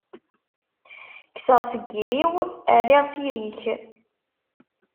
Kkseɣ seg iri-w, rriɣ s iri-k.